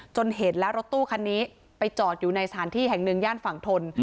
เห็นแล้วรถตู้คันนี้ไปจอดอยู่ในสถานที่แห่งหนึ่งย่านฝั่งทน